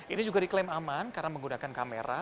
ini juga diklaim aman karena menggunakan kamera